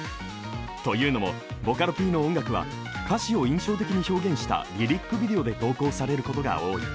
というのも、ボカロＰの音楽は歌詞を印象的に表現したリリックビデオで投稿されることが多い。